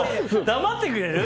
黙ってくれる？